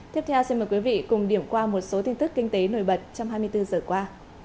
tiếp theo xin mời quý vị cùng điểm qua một số tin tức kinh tế nổi bật trong hai mươi bốn giờ qua